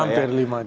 hampir lima juta